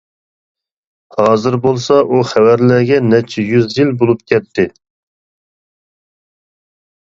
ھازىر بولسا ئۇ خەۋەرلەرگە نەچچە يۈز يىل بولۇپ كەتتى.